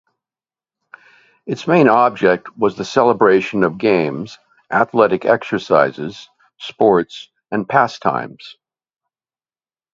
Its main object was the celebration of games, athletic exercises, sports, and pastimes.